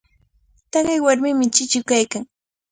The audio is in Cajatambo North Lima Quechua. Taqay warmimi chichu kaykan.